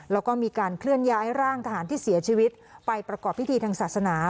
แล้วก็มีการเคลื่อนย้ายร่างทหารที่เสียชีวิตไปประกอบพิธีทางศาสนา